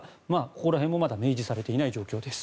ここら辺もまだ明示されていない状況です。